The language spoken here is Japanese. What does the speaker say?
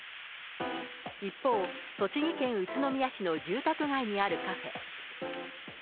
一方、栃木県宇都宮市の住宅街にあるカフェ。